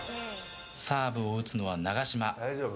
サーブを打つのは永島。